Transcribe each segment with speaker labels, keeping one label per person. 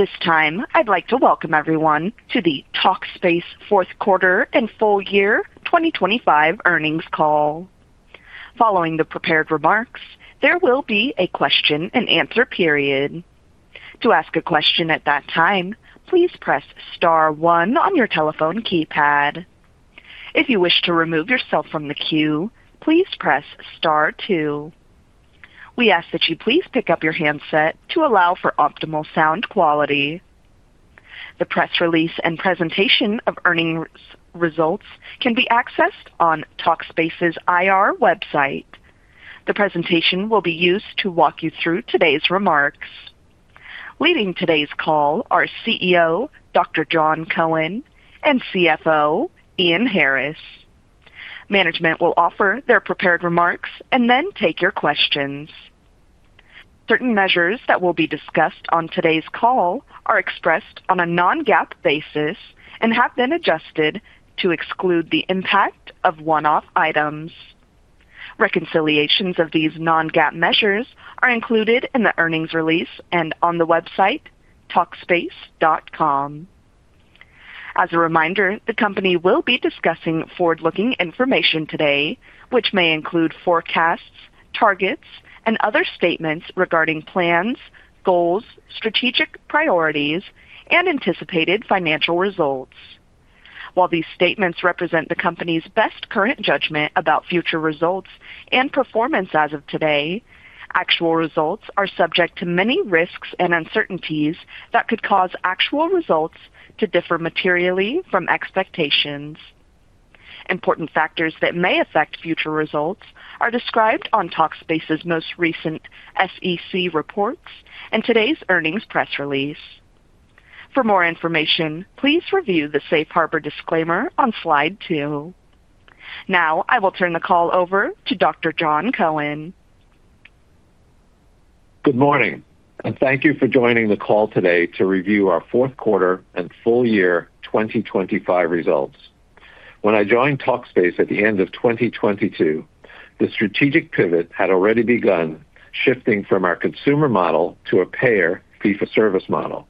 Speaker 1: At this time, I'd like to welcome everyone to the Talkspace fourth quarter and full year 2025 earnings call. Following the prepared remarks, there will be a question-and-answer period. To ask a question at that time, please press star one on your telephone keypad. If you wish to remove yourself from the queue, please press star two. We ask that you please pick up your handset to allow for optimal sound quality. The press release and presentation of earnings results can be accessed on Talkspace's IR website. The presentation will be used to walk you through today's remarks. Leading today's call are CEO Dr. Jon Cohen and CFO Ian Harris. Management will offer their prepared remarks and then take your questions. Certain measures that will be discussed on today's call are expressed on a non-GAAP basis and have been adjusted to exclude the impact of one-off items. Reconciliations of these non-GAAP measures are included in the earnings release and on the website, Talkspace.com. As a reminder, the company will be discussing forward-looking information today, which may include forecasts, targets, and other statements regarding plans, goals, strategic priorities, and anticipated financial results. While these statements represent the company's best current judgment about future results and performance as of today, actual results are subject to many risks and uncertainties that could cause actual results to differ materially from expectations. Important factors that may affect future results are described on Talkspace's most recent SEC reports and today's earnings press release. For more information, please review the safe harbor disclaimer on slide two. Now, I will turn the call over to Dr. Jon Cohen.
Speaker 2: Good morning, and thank you for joining the call today to review our fourth quarter and full year 2025 results. When I joined Talkspace at the end of 2022, the strategic pivot had already begun, shifting from our consumer model to a payer fee-for-service model.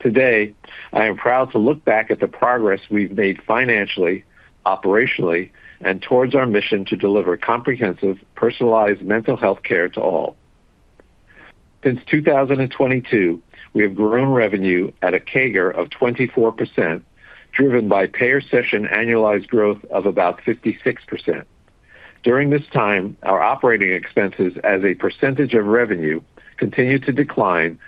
Speaker 2: Today, I am proud to look back at the progress we've made financially, operationally, and towards our mission to deliver comprehensive, personalized mental health care to all. Since 2022, we have grown revenue at a CAGR of 24%, driven by payer session annualized growth of about 56%. During this time, our operating expenses as a percentage of revenue continued to decline,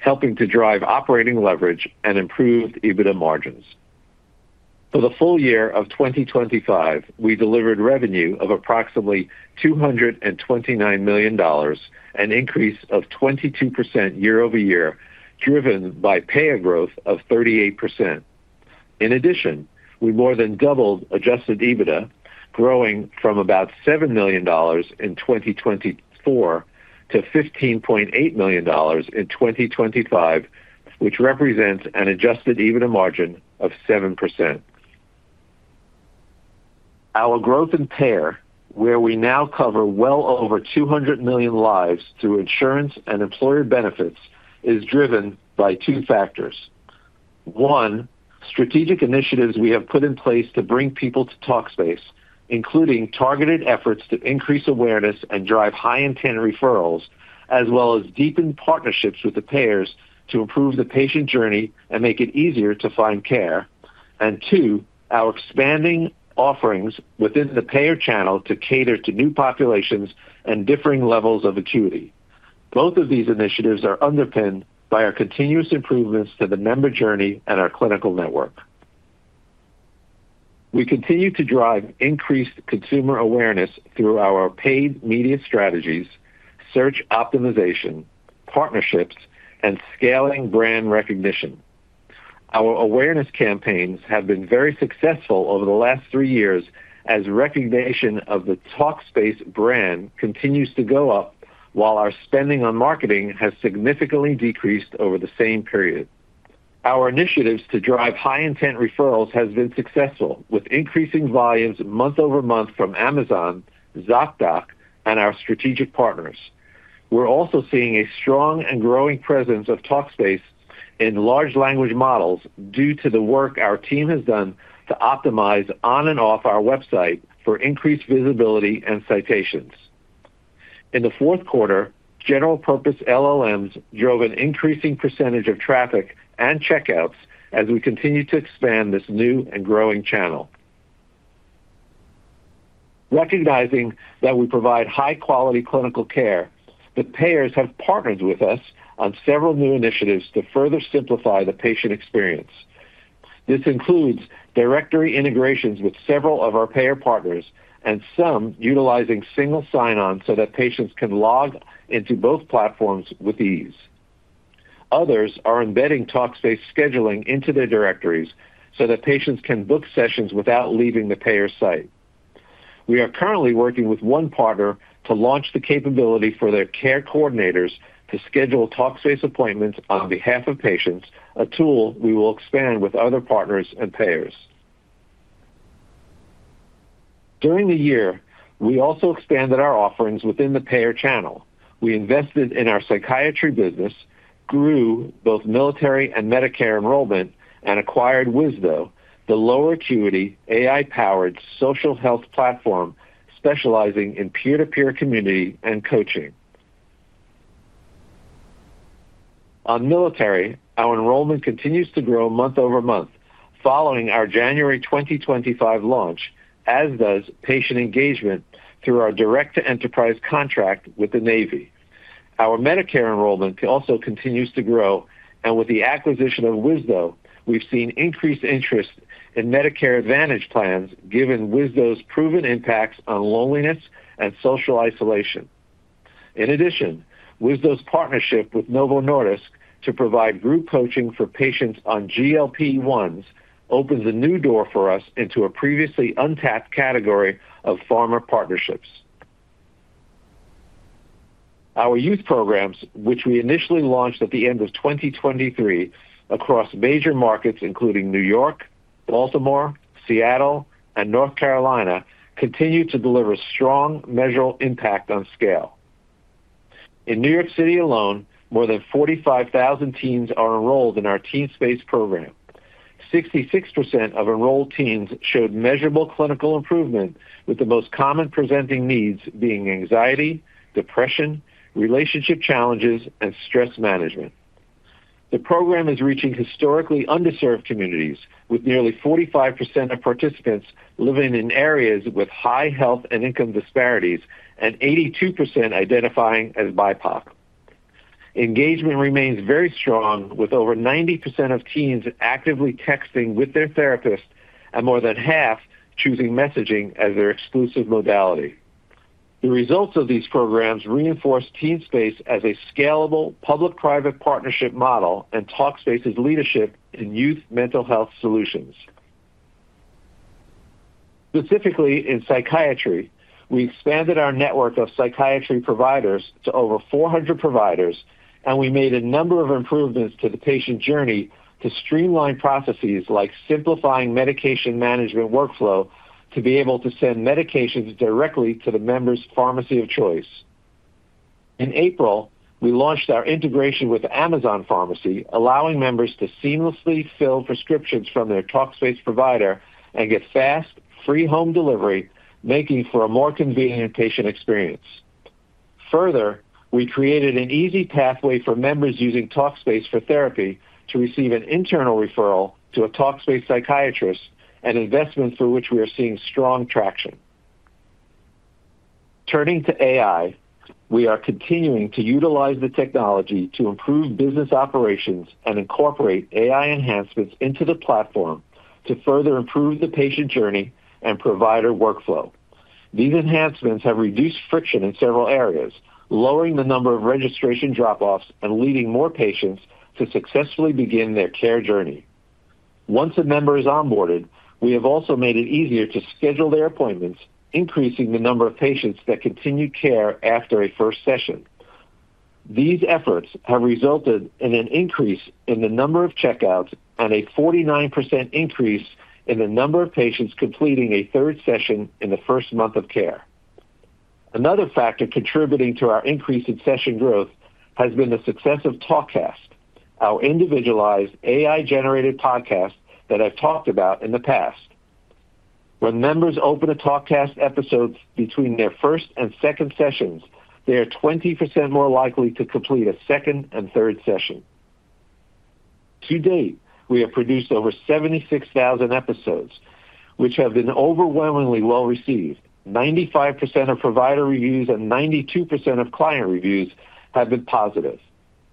Speaker 2: helping to drive operating leverage and improved EBITDA margins. For the full year of 2025, we delivered revenue of approximately $229 million, an increase of 22% year-over-year, driven by payer growth of 38%. In addition, we more than doubled adjusted EBITDA, growing from about $7 million in 2024 to $15.8 million in 2025, which represents an adjusted EBITDA margin of 7%. Our growth in payer, where we now cover well over 200 million lives through insurance and employer benefits, is driven by two factors. One, strategic initiatives we have put in place to bring people to Talkspace, including targeted efforts to increase awareness and drive high-intent referrals, as well as deepen partnerships with the payers to improve the patient journey and make it easier to find care. And two, our expanding offerings within the payer channel to cater to new populations and differing levels of acuity. Both of these initiatives are underpinned by our continuous improvements to the member journey and our clinical network. We continue to drive increased consumer awareness through our paid media strategies, search optimization, partnerships, and scaling brand recognition. Our awareness campaigns have been very successful over the last three years as recognition of the Talkspace brand continues to go up, while our spending on marketing has significantly decreased over the same period. Our initiatives to drive high-intent referrals has been successful, with increasing volumes month-over-month from Amazon, Zocdoc, and our strategic partners. We're also seeing a strong and growing presence of Talkspace in large language models due to the work our team has done to optimize on and off our website for increased visibility and citations. In the fourth quarter, general purpose LLMs drove an increasing percentage of traffic and checkouts as we continue to expand this new and growing channel. Recognizing that we provide high-quality clinical care, the payers have partnered with us on several new initiatives to further simplify the patient experience. This includes directory integrations with several of our payer partners and some utilizing single sign-on so that patients can log into both platforms with ease. Others are embedding Talkspace scheduling into their directories so that patients can book sessions without leaving the payer site. We are currently working with one partner to launch the capability for their care coordinators to schedule Talkspace appointments on behalf of patients, a tool we will expand with other partners and payers. During the year, we also expanded our offerings within the payer channel. We invested in our psychiatry business, grew both military and Medicare enrollment, and acquired Wisdo, the lower acuity AI-powered social health platform specializing in peer-to-peer community and coaching. On military, our enrollment continues to grow month-over-month following our January 2025 launch, as does patient engagement through our direct-to-enterprise contract with the Navy. Our Medicare enrollment also continues to grow, and with the acquisition of Wisdo, we've seen increased interest in Medicare Advantage plans given Wisdo's proven impacts on loneliness and social isolation. In addition, Wisdo's partnership with Novo Nordisk to provide group coaching for patients on GLP-1s opens a new door for us into a previously untapped category of pharma partnerships. Our youth programs, which we initially launched at the end of 2023 across major markets including New York, Baltimore, Seattle, and North Carolina, continue to deliver strong measurable impact on scale. In New York City alone, more than 45,000 teens are enrolled in our TeenSpace program. 66% of enrolled teens showed measurable clinical improvement, with the most common presenting needs being anxiety, depression, relationship challenges, and stress management. The program is reaching historically underserved communities, with nearly 45% of participants living in areas with high health and income disparities and 82% identifying as BIPOC. Engagement remains very strong, with over 90% of teens actively texting with their therapist and more than half choosing messaging as their exclusive modality. The results of these programs reinforce TeenSpace as a scalable public-private partnership model and Talkspace's leadership in youth mental health solutions. Specifically in psychiatry, we expanded our network of psychiatry providers to over 400 providers, and we made a number of improvements to the patient journey to streamline processes like simplifying medication management workflow to be able to send medications directly to the member's pharmacy of choice. In April, we launched our integration with Amazon Pharmacy, allowing members to seamlessly fill prescriptions from their Talkspace provider and get fast, free home delivery, making for a more convenient patient experience. Further, we created an easy pathway for members using Talkspace for therapy to receive an internal referral to a Talkspace psychiatrist, an investment through which we are seeing strong traction. Turning to AI, we are continuing to utilize the technology to improve business operations and incorporate AI enhancements into the platform to further improve the patient journey and provider workflow. These enhancements have reduced friction in several areas, lowering the number of registration drop-offs and leading more patients to successfully begin their care journey. Once a member is onboarded, we have also made it easier to schedule their appointments, increasing the number of patients that continue care after a first session. These efforts have resulted in an increase in the number of checkouts and a 49% increase in the number of patients completing a third session in the first month of care. Another factor contributing to our increase in session growth has been the success of Talkcast, our individualized AI-generated podcast that I've talked about in the past. When members open a Talkcast episode between their first and second sessions, they are 20% more likely to complete a second and third session. To date, we have produced over 76,000 episodes, which have been overwhelmingly well-received. 95% of provider reviews and 92% of client reviews have been positive.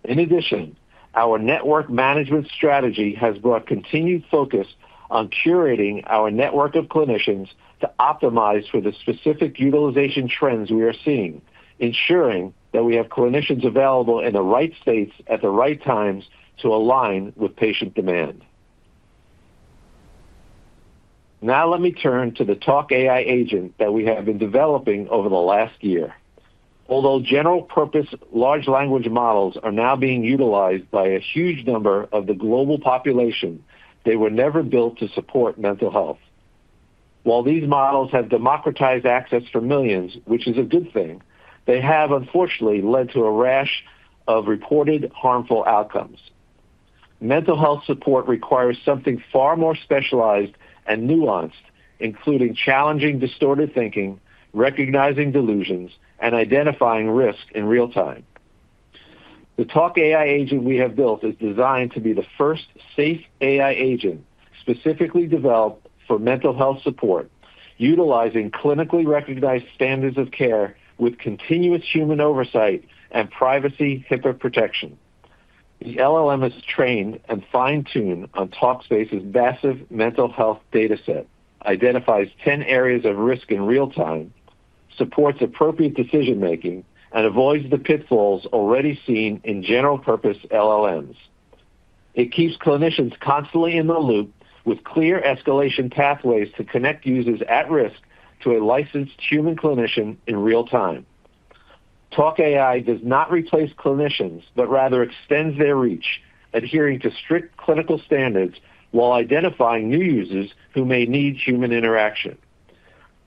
Speaker 2: In addition, our network management strategy has brought continued focus on curating our network of clinicians to optimize for the specific utilization trends we are seeing, ensuring that we have clinicians available in the right states at the right times to align with patient demand. Now let me turn to the Talk AI agent that we have been developing over the last year. Although general-purpose large language models are now being utilized by a huge number of the global population, they were never built to support mental health. While these models have democratized access for millions, which is a good thing, they have unfortunately led to a rash of reported harmful outcomes. Mental health support requires something far more specialized and nuanced, including challenging distorted thinking, recognizing delusions, and identifying risk in real time. The Talk AI agent we have built is designed to be the first safe AI agent specifically developed for mental health support, utilizing clinically recognized standards of care with continuous human oversight and privacy HIPAA protection. The LLM is trained and fine-tuned on Talkspace's massive mental health data set, identifies 10 areas of risk in real time, supports appropriate decision-making, and avoids the pitfalls already seen in general-purpose LLMs. It keeps clinicians constantly in the loop with clear escalation pathways to connect users at risk to a licensed human clinician in real time. Talk AI does not replace clinicians, but rather extends their reach, adhering to strict clinical standards while identifying new users who may need human interaction.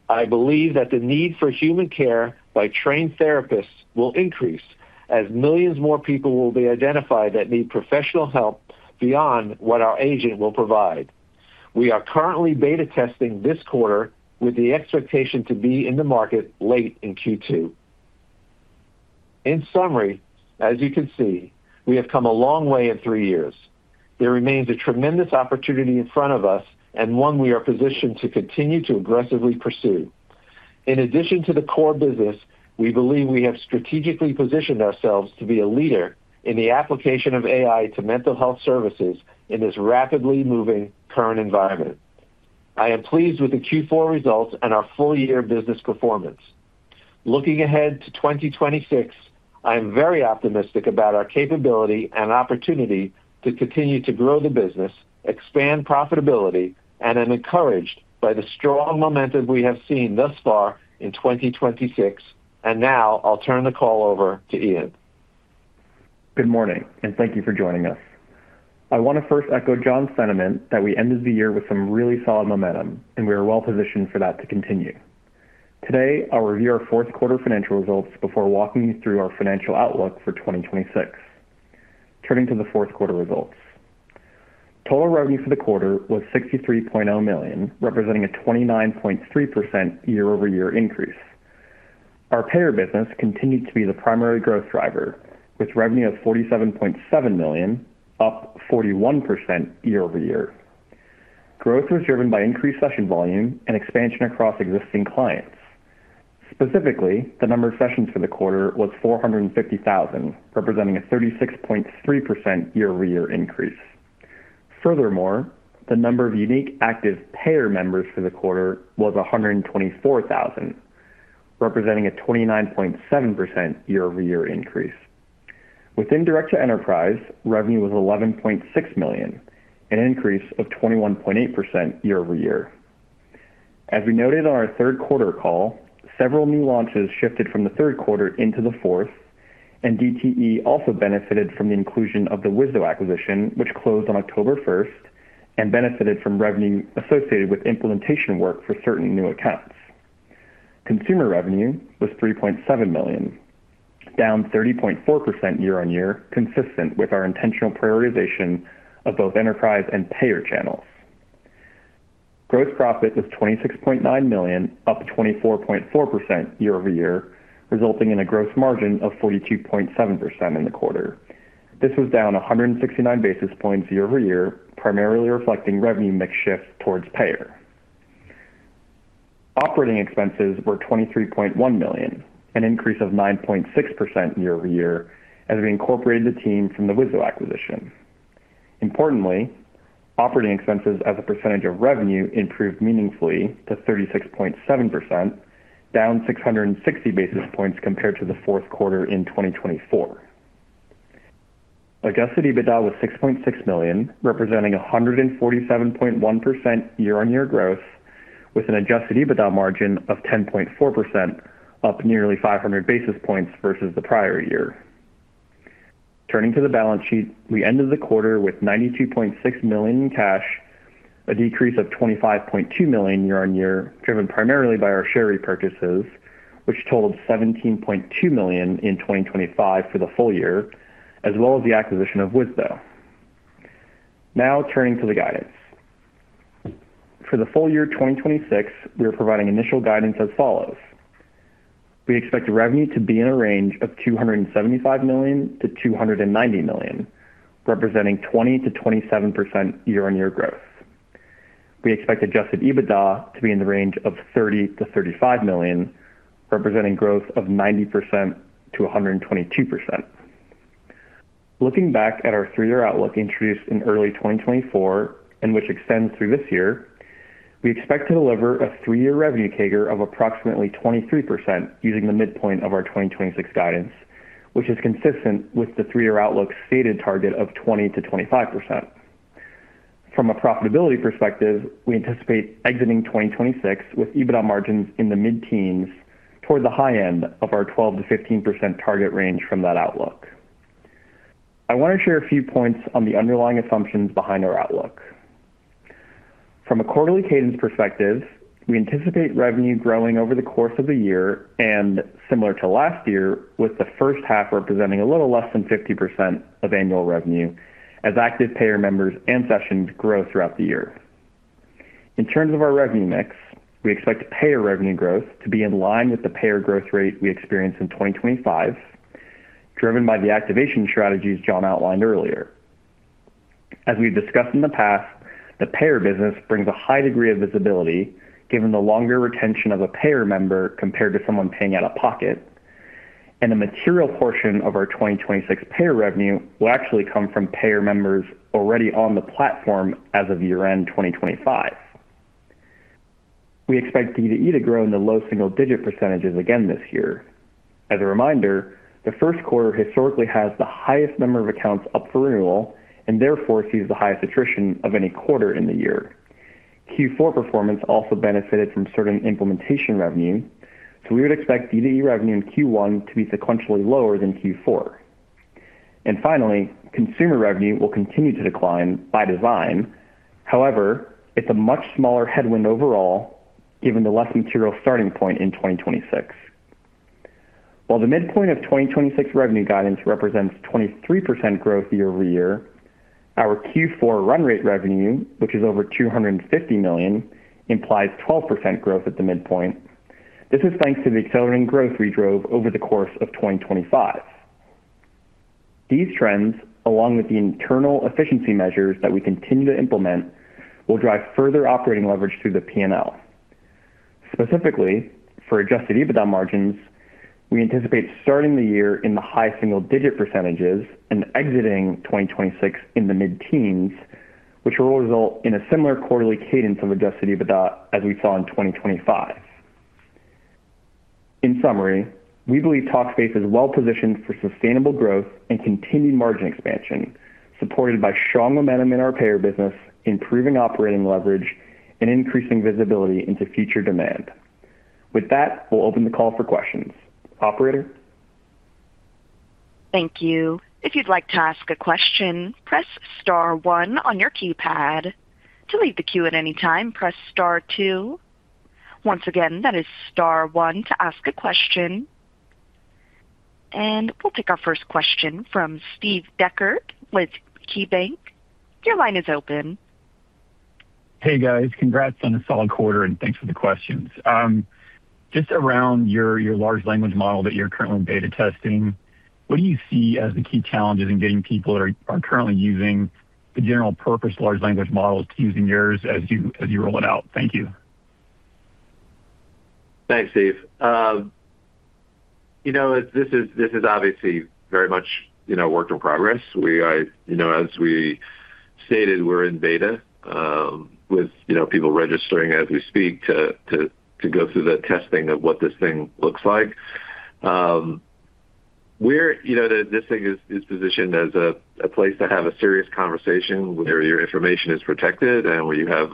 Speaker 2: I believe that the need for human care by trained therapists will increase as millions more people will be identified that need professional help beyond what our agent will provide. We are currently beta testing this quarter with the expectation to be in the market late in Q2. In summary, as you can see, we have come a long way in three years. There remains a tremendous opportunity in front of us and one we are positioned to continue to aggressively pursue. In addition to the core business, we believe we have strategically positioned ourselves to be a leader in the application of AI to mental health services in this rapidly moving current environment. I am pleased with the Q4 results and our full year business performance. Looking ahead to 2026, I am very optimistic about our capability and opportunity to continue to grow the business, expand profitability, and I'm encouraged by the strong momentum we have seen thus far in 2026. Now I'll turn the call over to Ian.
Speaker 3: Good morning, and thank you for joining us. I want to first echo Jon's sentiment that we ended the year with some really solid momentum, and we are well positioned for that to continue. Today, I'll review our fourth quarter financial results before walking you through our financial outlook for 2026. Turning to the fourth quarter results. Total revenue for the quarter was $63.0 million, representing a 29.3% year-over-year increase. Our payer business continued to be the primary growth driver, with revenue of $47.7 million, up 41% year-over-year. Growth was driven by increased session volume and expansion across existing clients. Specifically, the number of sessions for the quarter was 450,000, representing a 36.3% year-over-year increase. Furthermore, the number of unique active payer members for the quarter was 124,000, representing a 29.7% year-over-year increase. Within direct-to-enterprise, revenue was $11.6 million, an increase of 21.8% year-over-year. As we noted on our third quarter call, several new launches shifted from the third quarter into the fourth, and DTE also benefited from the inclusion of the Wisdo acquisition, which closed on October 1 and benefited from revenue associated with implementation work for certain new accounts. Consumer revenue was $3.7 million, down 30.4% year-over-year, consistent with our intentional prioritization of both enterprise and payer channels. Gross profit was $26.9 million, up 24.4% year-over-year, resulting in a gross margin of 42.7% in the quarter. This was down 169 basis points year-over-year, primarily reflecting revenue mix shift towards payer. Operating expenses were $23.1 million, an increase of 9.6% year-over-year, as we incorporated the team from the Wisdo acquisition. Importantly, operating expenses as a percentage of revenue improved meaningfully to 36.7%, down 660 basis points compared to the fourth quarter in 2024. Adjusted EBITDA was $6.6 million, representing a 147.1% year-over-year growth, with an adjusted EBITDA margin of 10.4%, up nearly 500 basis points versus the prior year. Turning to the balance sheet, we ended the quarter with $92.6 million in cash, a decrease of $25.2 million year-on-year, driven primarily by our share repurchases, which totaled $17.2 million in 2025 for the full year, as well as the acquisition of Wisdo. Now, turning to the guidance. For the full year 2026, we are providing initial guidance as follows: We expect revenue to be in a range of $275 million-$290 million, representing 20%-27% year-on-year growth. We expect adjusted EBITDA to be in the range of $30 million-$35 million, representing growth of 90%-122%. Looking back at our 3-year outlook introduced in early 2024 and which extends through this year, we expect to deliver a 3-year revenue CAGR of approximately 23% using the midpoint of our 2026 guidance, which is consistent with the 3-year outlook's stated target of 20%-25%. From a profitability perspective, we anticipate exiting 2026 with EBITDA margins in the mid-teens toward the high end of our 12%-15% target range from that outlook. I want to share a few points on the underlying assumptions behind our outlook. From a quarterly cadence perspective, we anticipate revenue growing over the course of the year and similar to last year, with the first half representing a little less than 50% of annual revenue as active payer members and sessions grow throughout the year. In terms of our revenue mix, we expect payer revenue growth to be in line with the payer growth rate we experienced in 2025, driven by the activation strategies Jon outlined earlier. As we've discussed in the past, the payer business brings a high degree of visibility, given the longer retention of a payer member compared to someone paying out of pocket, and a material portion of our 2026 payer revenue will actually come from payer members already on the platform as of year-end 2025. We expect DTE to grow in the low single-digit percentages again this year. As a reminder, the first quarter historically has the highest number of accounts up for renewal and therefore sees the highest attrition of any quarter in the year… Q4 performance also benefited from certain implementation revenue, so we would expect DDE revenue in Q1 to be sequentially lower than Q4. And finally, consumer revenue will continue to decline by design. However, it's a much smaller headwind overall, given the less material starting point in 2026. While the midpoint of 2026 revenue guidance represents 23% growth year over year, our Q4 run rate revenue, which is over $250 million, implies 12% growth at the midpoint. This is thanks to the accelerating growth we drove over the course of 2025. These trends, along with the internal efficiency measures that we continue to implement, will drive further operating leverage through the PNL. Specifically, for adjusted EBITDA margins, we anticipate starting the year in the high single-digit % and exiting 2026 in the mid-teens %, which will result in a similar quarterly cadence of adjusted EBITDA as we saw in 2025. In summary, we believe Talkspace is well positioned for sustainable growth and continued margin expansion, supported by strong momentum in our payer business, improving operating leverage, and increasing visibility into future demand. With that, we'll open the call for questions. Operator?
Speaker 1: Thank you. If you'd like to ask a question, press star one on your keypad. To leave the queue at any time, press star two. Once again, that is star one to ask a question. We'll take our first question from Steve Dechert with KeyBanc. Your line is open.
Speaker 4: Hey, guys. Congrats on a solid quarter, and thanks for the questions. Just around your, your large language model that you're currently beta testing, what do you see as the key challenges in getting people that are, are currently using the general purpose large language models to using yours as you, as you roll it out? Thank you.
Speaker 2: Thanks, Steve. You know, this is obviously very much, you know, a work in progress. We are, you know, as we stated, we're in beta, with, you know, people registering as we speak to go through the testing of what this thing looks like. We're, you know, this thing is positioned as a place to have a serious conversation where your information is protected and where you have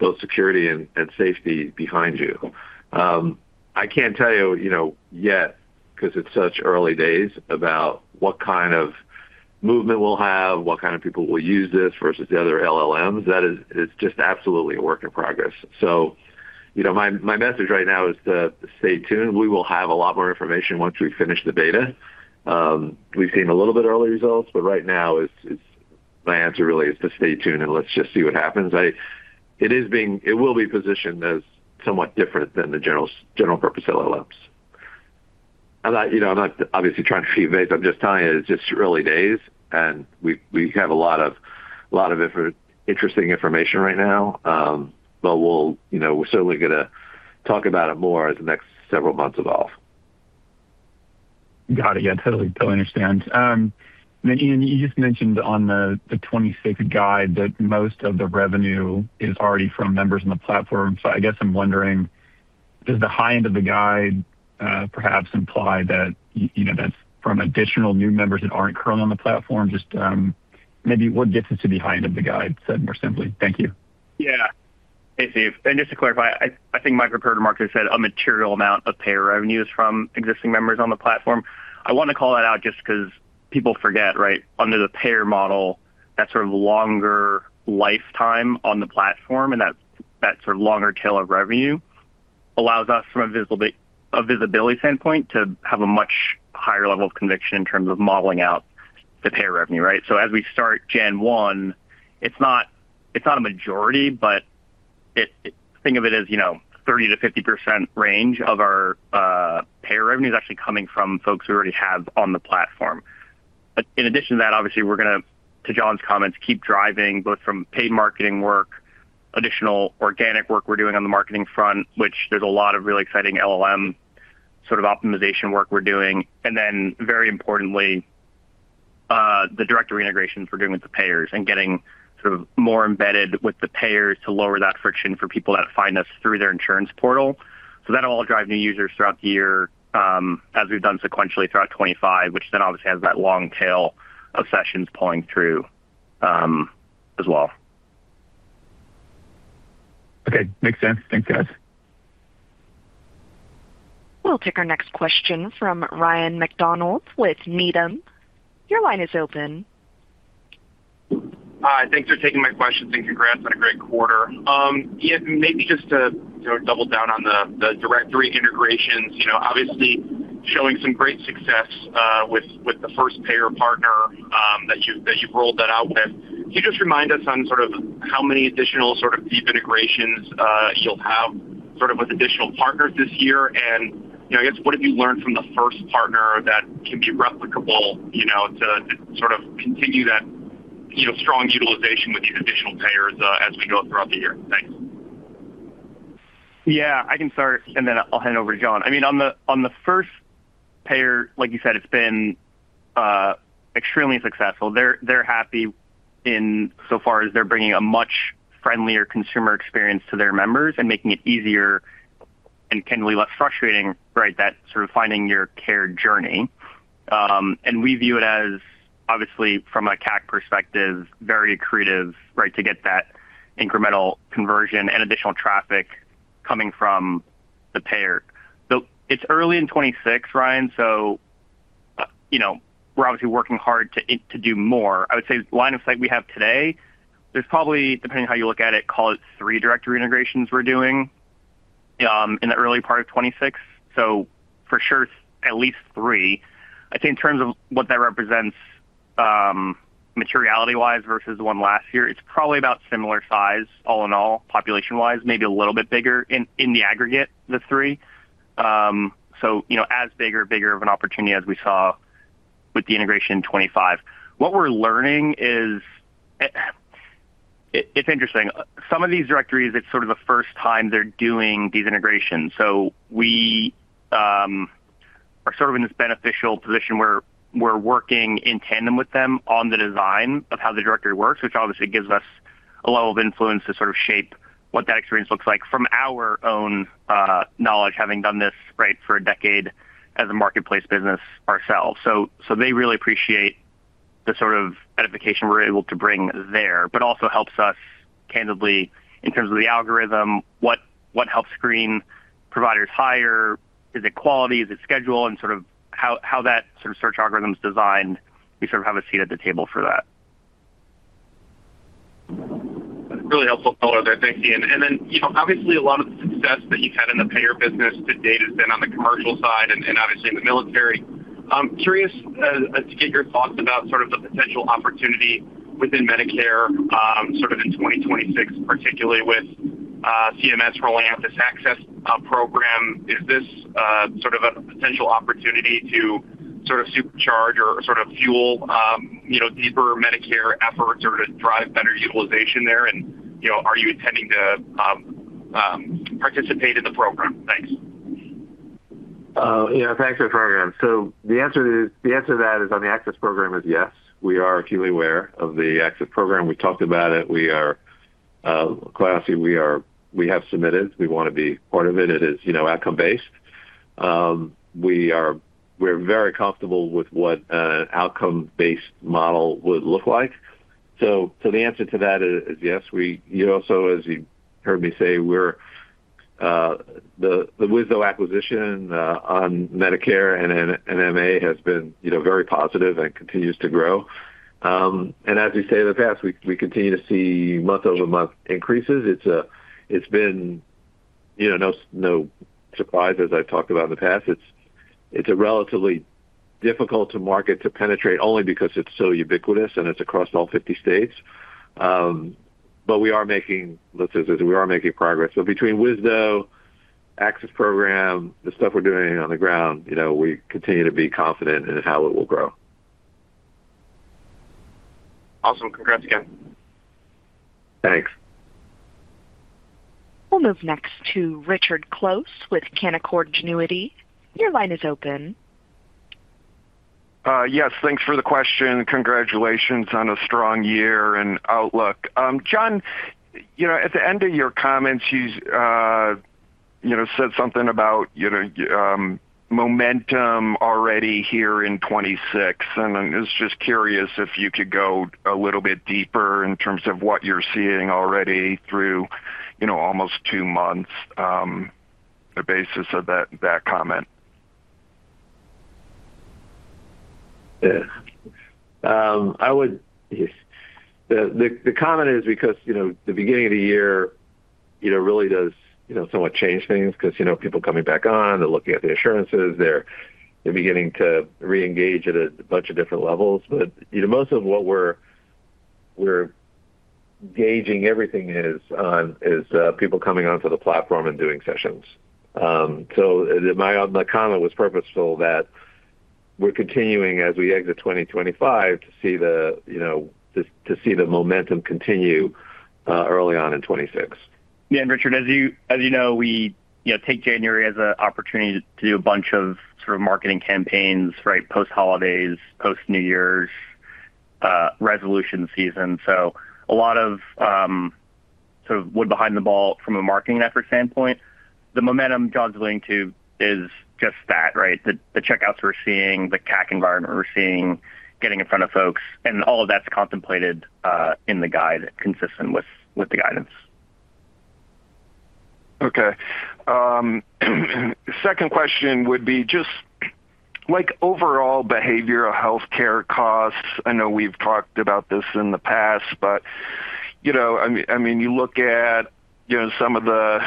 Speaker 2: both security and safety behind you. I can't tell you, you know, yet, because it's such early days, about what kind of movement we'll have, what kind of people will use this versus the other LLMs. It's just absolutely a work in progress. So, you know, my message right now is to stay tuned. We will have a lot more information once we finish the beta. We've seen a little bit early results, but right now it's, it's my answer really is to stay tuned, and let's just see what happens. It is being... It will be positioned as somewhat different than the general, general purpose LLMs. I'm not, you know, I'm not obviously trying to feed base. I'm just telling you it's just early days, and we, we have a lot of, a lot of interesting information right now, but we'll, you know, we're certainly gonna talk about it more as the next several months evolve.
Speaker 4: Got it. Yeah, totally, totally understand. Ian, you just mentioned on the 2026 guide that most of the revenue is already from members on the platform. So I guess I'm wondering, does the high end of the guide perhaps imply that, you know, that's from additional new members that aren't currently on the platform? Just, maybe what gets us to the high end of the guide, said more simply. Thank you.
Speaker 3: Yeah. Hey, Steve, and just to clarify, I think my prepared remarks, I said a material amount of payer revenue is from existing members on the platform. I want to call that out just because people forget, right? Under the payer model, that sort of longer lifetime on the platform, and that sort of longer tail of revenue allows us, from a visibility standpoint, to have a much higher level of conviction in terms of modeling out the payer revenue, right? So as we start Jan 1, it's not a majority, but think of it as, you know, 30%-50% range of our payer revenue is actually coming from folks we already have on the platform. But in addition to that, obviously, we're gonna, to Jon's comments, keep driving both from paid marketing work, additional organic work we're doing on the marketing front, which there's a lot of really exciting LLM sort of optimization work we're doing. And then, very importantly, the directory integrations we're doing with the payers and getting sort of more embedded with the payers to lower that friction for people that find us through their insurance portal. So that'll all drive new users throughout the year, as we've done sequentially throughout 25, which then obviously has that long tail of sessions pulling through, as well.
Speaker 4: Okay. Makes sense. Thanks, guys.
Speaker 1: We'll take our next question from Ryan MacDonald with Needham. Your line is open.
Speaker 5: Hi. Thanks for taking my questions, and congrats on a great quarter. Ian, maybe just to, you know, double down on the, the directory integrations, you know, obviously showing some great success, with, with the first payer partner, that you, that you've rolled that out with. Can you just remind us on sort of how many additional sort of deep integrations, you'll have sort of with additional partners this year? And, you know, I guess what have you learned from the first partner that can be replicable, you know, to, to sort of continue that, you know, strong utilization with these additional payers, as we go throughout the year? Thanks.
Speaker 3: Yeah, I can start, and then I'll hand it over to Jon. I mean, on the first payer, like you said, it's been extremely successful. They're happy in so far as they're bringing a much friendlier consumer experience to their members and making it easier-... and can be less frustrating, right? That sort of finding your care journey, and we view it as obviously from a CAC perspective, very accretive, right, to get that incremental conversion and additional traffic coming from the payer. So it's early in 2026, Ryan, so, you know, we're obviously working hard to do more. I would say line of sight we have today, there's probably, depending on how you look at it, call it 3 directory integrations we're doing in the early part of 2026. So for sure, at least 3. I think in terms of what that represents, materiality wise versus the 1 last year, it's probably about similar size, all in all, population wise, maybe a little bit bigger in the aggregate, the 3. So, you know, as big or bigger of an opportunity as we saw with the integration in 25. What we're learning is, it's interesting. Some of these directories, it's sort of the first time they're doing these integrations. So we are sort of in this beneficial position where we're working in tandem with them on the design of how the directory works, which obviously gives us a level of influence to sort of shape what that experience looks like from our own knowledge, having done this right for a decade as a marketplace business ourselves. So they really appreciate the sort of edification we're able to bring there, but also helps us candidly, in terms of the algorithm, what helps screen providers higher? Is it quality? Is it schedule? And sort of how that sort of search algorithm is designed. We sort of have a seat at the table for that.
Speaker 5: Really helpful color there. Thank you. And then, you know, obviously, a lot of the success that you've had in the payer business to date has been on the commercial side and obviously in the military. I'm curious to get your thoughts about sort of the potential opportunity within Medicare, sort of in 2026, particularly with CMS rolling out this access program. Is this sort of a potential opportunity to sort of supercharge or sort of fuel, you know, deeper Medicare efforts or to drive better utilization there? And, you know, are you intending to participate in the program? Thanks.
Speaker 2: Yeah, thanks for the program. So the answer to that is, on the access program, yes, we are acutely aware of the access program. We talked about it. We are classy. We have submitted. We want to be part of it. It is, you know, outcome-based. We are, we're very comfortable with what an outcome-based model would look like. So the answer to that is yes. We, you know, so as you heard me say, we're the Wisdo acquisition on Medicare and MA has been, you know, very positive and continues to grow. And as we say in the past, we continue to see month-over-month increases. It's been, you know, no surprise, as I've talked about in the past. It's a relatively difficult to market, to penetrate, only because it's so ubiquitous and it's across all 50 states. But we are making, let's say we are making progress. So between Wisdo access program, the stuff we're doing on the ground, you know, we continue to be confident in how it will grow.
Speaker 5: Awesome. Congrats again.
Speaker 2: Thanks.
Speaker 1: We'll move next to Richard Close with Canaccord Genuity. Your line is open.
Speaker 6: Yes, thanks for the question. Congratulations on a strong year and outlook. Jon, you know, at the end of your comments, you, you know, said something about, you know, momentum already here in 2026. I was just curious if you could go a little bit deeper in terms of what you're seeing already through, you know, almost two months, the basis of that, that comment.
Speaker 2: Yeah. I would... The comment is because, you know, the beginning of the year, you know, really does, you know, somewhat change things because, you know, people coming back on, they're looking at the assurances. They're beginning to reengage at a bunch of different levels. But, you know, most of what we're gauging everything is on, is people coming onto the platform and doing sessions. So my comment was purposeful that we're continuing, as we exit 2025, to see the, you know, to see the momentum continue, early on in 2026.
Speaker 3: Yeah, and Richard, as you, as you know, we, you know, take January as an opportunity to do a bunch of sort of marketing campaigns, right? Post-holidays, post New Year's, resolution season. So a lot of sort of wood behind the ball from a marketing effort standpoint. The momentum Jon's alluding to is just that, right? The, the checkouts we're seeing, the CAC environment we're seeing, getting in front of folks, and all of that's contemplated in the guide, consistent with, with the guidance.
Speaker 6: Okay. Second question would be just like, overall behavioral health care costs. I know we've talked about this in the past, but, you know, I mean, you look at, you know, some of the,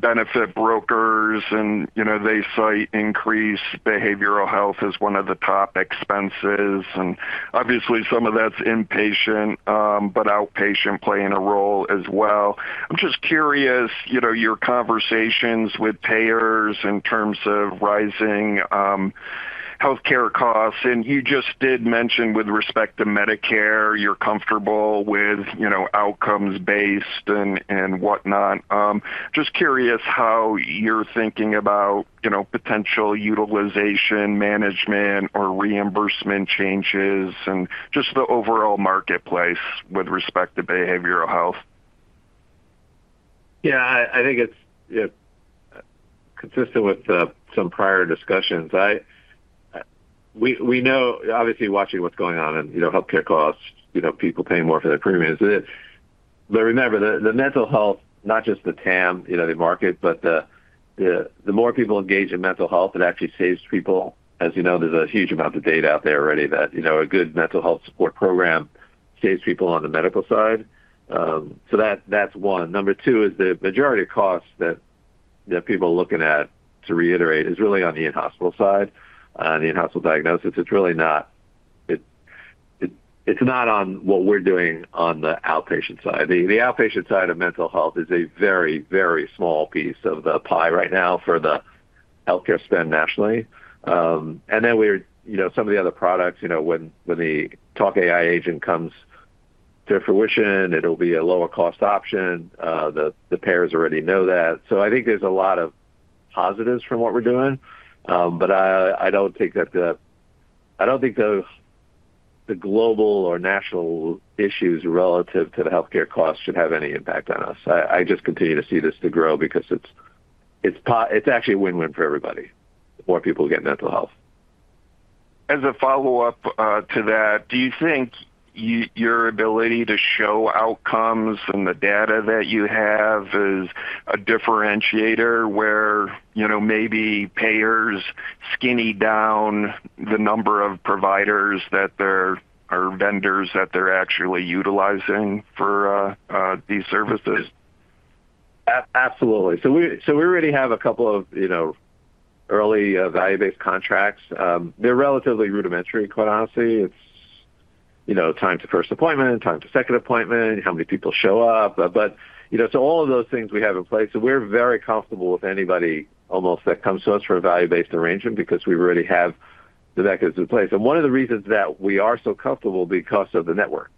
Speaker 6: benefit brokers and, you know, they cite increased behavioral health as one of the top expenses, and obviously some of that's inpatient, but outpatient playing a role as well. I'm just curious, you know, your conversations with payers in terms of rising, healthcare costs, and you just did mention with respect to Medicare, you're comfortable with, you know, outcomes based and whatnot. Just curious how you're thinking about, you know, potential utilization, management, or reimbursement changes and just the overall marketplace with respect to behavioral health....
Speaker 2: Yeah, I think it's consistent with some prior discussions. We know, obviously watching what's going on in, you know, healthcare costs, you know, people paying more for their premiums. But remember, the mental health, not just the TAM, you know, the market, but the more people engage in mental health, it actually saves people. As you know, there's a huge amount of data out there already that, you know, a good mental health support program saves people on the medical side. So that's one. Number two is the majority of costs that people are looking at, to reiterate, is really on the in-hospital side, on the in-hospital diagnosis. It's really not-it's not on what we're doing on the outpatient side. The outpatient side of mental health is a very, very small piece of the pie right now for the healthcare spend nationally. And then we're, you know, some of the other products, you know, when the Talk AI agent comes to fruition, it'll be a lower cost option. The payers already know that. So I think there's a lot of positives from what we're doing, but I don't think the global or national issues relative to the healthcare costs should have any impact on us. I just continue to see this to grow because it's actually a win-win for everybody, the more people get mental health.
Speaker 6: As a follow-up, to that, do you think your ability to show outcomes from the data that you have is a differentiator where, you know, maybe payers skinny down the number of providers that they're, or vendors that they're actually utilizing for, these services?
Speaker 2: Absolutely. So we, so we already have a couple of, you know, early value-based contracts. They're relatively rudimentary, quite honestly. It's, you know, time to first appointment, time to second appointment, how many people show up. But, you know, so all of those things we have in place, so we're very comfortable with anybody almost that comes to us for a value-based arrangement because we already have the mechanisms in place. And one of the reasons that we are so comfortable because of the network.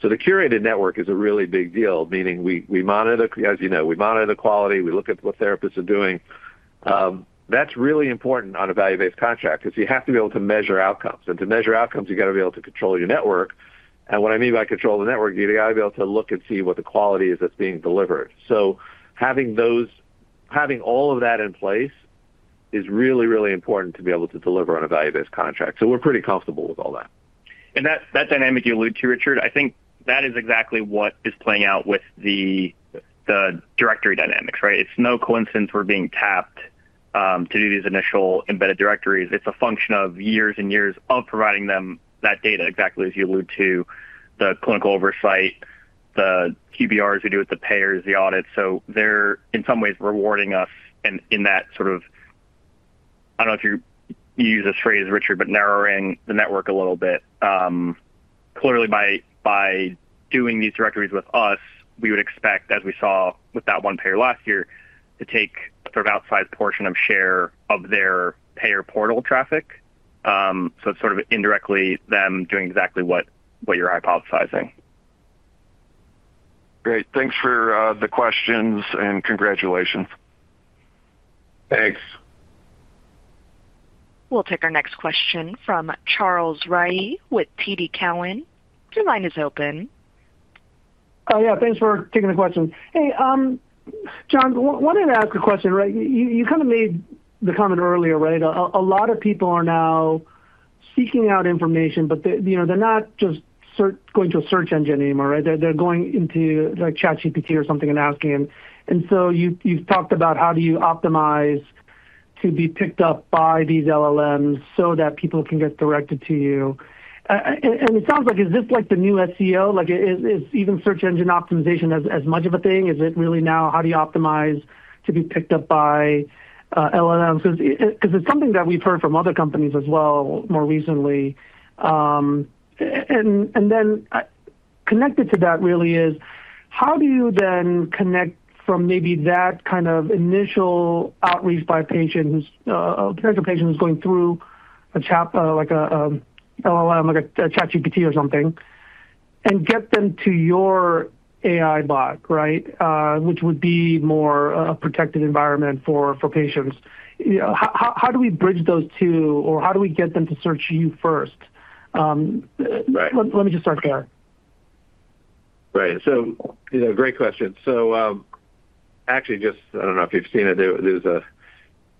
Speaker 2: So the curated network is a really big deal, meaning we, we monitor, as you know, we monitor the quality, we look at what therapists are doing. That's really important on a value-based contract because you have to be able to measure outcomes. And to measure outcomes, you got to be able to control your network. What I mean by control the network, you got to be able to look and see what the quality is that's being delivered. So having all of that in place is really, really important to be able to deliver on a value-based contract. So we're pretty comfortable with all that.
Speaker 3: And that dynamic you allude to, Richard, I think that is exactly what is playing out with the directory dynamics, right? It's no coincidence we're being tapped to do these initial embedded directories. It's a function of years and years of providing them that data, exactly as you allude to, the clinical oversight, the QBRs we do with the payers, the audits. So they're, in some ways, rewarding us in that sort of... I don't know if you use this phrase, Richard, but narrowing the network a little bit. Clearly, by doing these directories with us, we would expect, as we saw with that one payer last year, to take sort of outsized portion of share of their payer portal traffic. So it's sort of indirectly them doing exactly what you're hypothesizing.
Speaker 6: Great. Thanks for the questions, and congratulations.
Speaker 2: Thanks.
Speaker 1: We'll take our next question from Charles Rhyee with TD Cowen. Your line is open.
Speaker 7: Oh, yeah. Thanks for taking the question. Hey, Jon, wanted to ask a question, right? You, you kind of made the comment earlier, right? A lot of people are now seeking out information, but they, you know, they're not just going to a search engine anymore, right? They're, they're going into, like, ChatGPT or something and asking them. And so you, you've talked about how do you optimize to be picked up by these LLMs so that people can get directed to you. And, and it sounds like, is this, like, the new SEO? Like, is, is even search engine optimization as, as much of a thing? Is it really now how do you optimize to be picked up by LLMs? Because, because it's something that we've heard from other companies as well, more recently. And then, connected to that really is, how do you then connect from maybe that kind of initial outreach by patients, potential patients going through a chat, like a LLM, like a ChatGPT or something, and get them to your AI bot, right? Which would be more a protected environment for patients. You know, how do we bridge those two, or how do we get them to search you first?
Speaker 2: Right.
Speaker 7: Let me just start there.
Speaker 2: Right. So, you know, great question. So, actually, I don't know if you've seen it. There's an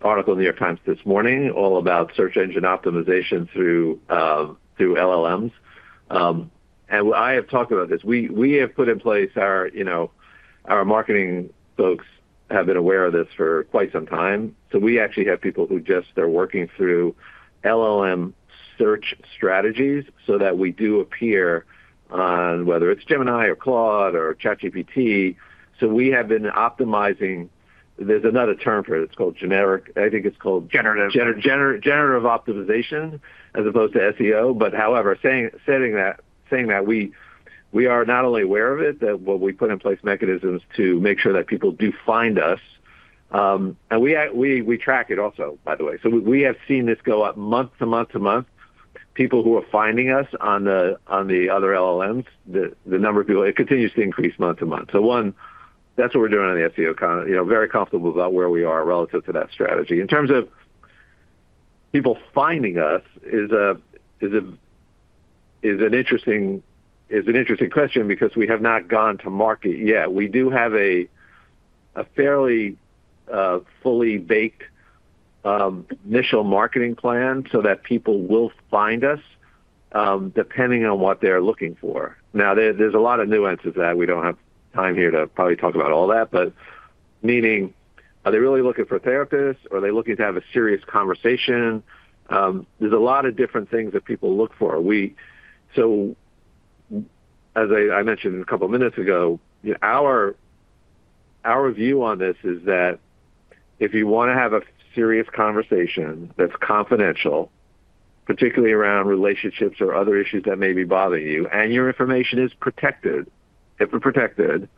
Speaker 2: article in New York Times this morning all about search engine optimization through LLMs. And I have talked about this. We have put in place our, you know, our marketing folks have been aware of this for quite some time. So we actually have people who just are working through LLM search strategies so that we do appear on whether it's Gemini or Claude or ChatGPT. So we have been optimizing. There's another term for it. It's called generative. I think it's called-
Speaker 3: Generative.
Speaker 2: Generative optimization as opposed to SEO. But however, saying that, we are not only aware of it, well, we put in place mechanisms to make sure that people do find us. And we track it also, by the way. So we have seen this go up month to month. People who are finding us on the other LLMs, the number of people, it continues to increase month to month. So one, that's what we're doing on the SEO. You know, very comfortable about where we are relative to that strategy. In terms of people finding us is an interesting question because we have not gone to market yet. We do have a fairly fully baked initial marketing plan so that people will find us depending on what they're looking for. Now, there's a lot of nuances that we don't have time here to probably talk about all that, but meaning, are they really looking for a therapist, or are they looking to have a serious conversation? There's a lot of different things that people look for. So as I mentioned a couple of minutes ago, our view on this is that if you want to have a serious conversation that's confidential, particularly around relationships or other issues that may be bothering you, and your information is protected, HIPAA protected,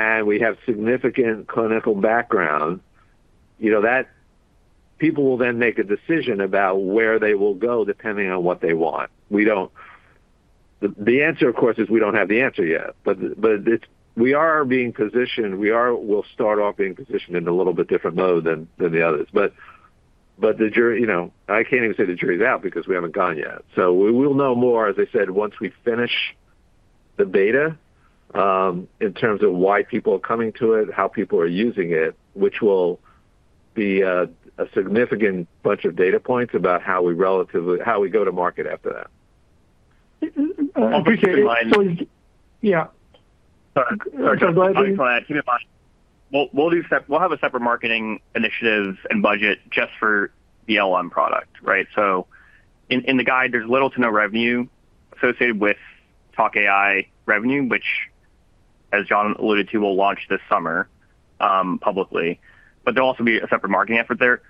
Speaker 2: and we have significant clinical background, you know, that people will then make a decision about where they will go, depending on what they want. The answer, of course, is we don't have the answer yet, but it's we are being positioned. We'll start off being positioned in a little bit different mode than the others. But the jury, you know, I can't even say the jury is out because we haven't gone yet. So we will know more, as I said, once we finish the beta, in terms of why people are coming to it, how people are using it, which will be a significant bunch of data points about how we relatively how we go to market after that.
Speaker 7: I appreciate it. So... Yeah.
Speaker 3: Sorry. I just want to add, keep in mind, we'll do separate. We'll have a separate marketing initiative and budget just for the LLM product, right? So in the guide, there's little to no revenue associated with Talk AI revenue, which, as Jon alluded to, will launch this summer publicly. But there'll be a separate marketing effort there.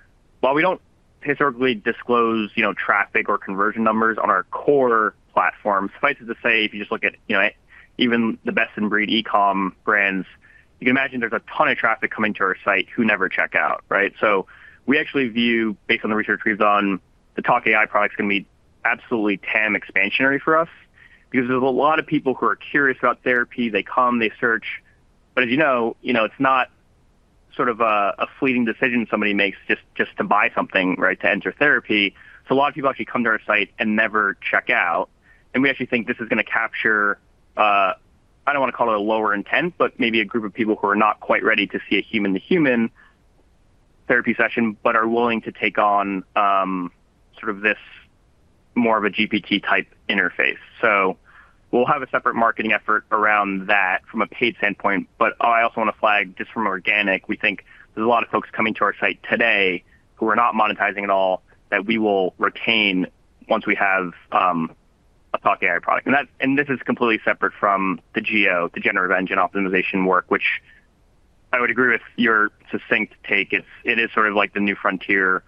Speaker 3: While we don't historically disclose, you know, traffic or conversion numbers on our core platform, suffice it to say, if you just look at, you know, even the best-in-breed e-com brands, you can imagine there's a ton of traffic coming to our site who never check out, right? So we actually view, based on the research we've done, the Talk AI products can be absolutely TAM expansionary for us because there's a lot of people who are curious about therapy. They come, they search. But as you know, you know, it's not sort of a fleeting decision somebody makes just to buy something, right, to enter therapy. So a lot of people actually come to our site and never check out, and we actually think this is going to capture, I don't want to call it a lower intent, but maybe a group of people who are not quite ready to see a human-to-human therapy session but are willing to take on sort of this more of a GPT-type interface. So we'll have a separate marketing effort around that from a paid standpoint. But I also want to flag just from organic, we think there's a lot of folks coming to our site today who are not monetizing at all that we will retain once we have a Talk AI product. And that, and this is completely separate from the GEO, the generative engine optimization work, which I would agree with your succinct take. It's, it is sort of like the new frontier